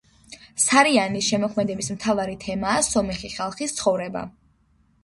სარიანის შემოქმედების მთავარი თემაა სომეხი ხალხის ცხოვრება.